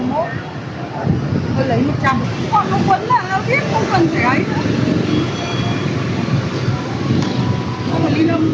có một ly lông